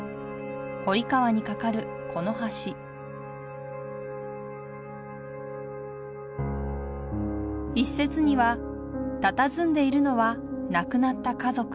堀川に架かるこの橋一説にはたたずんでいるのは亡くなった家族。